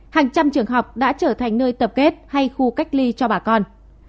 hàng trăm trường học đã trở thành nơi tập kết hay khu cách ly cho bà con